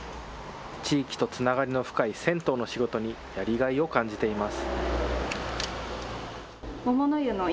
地域とつながりの深い銭湯の仕事に、やりがいを感じています。